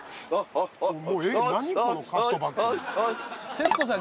徹子さん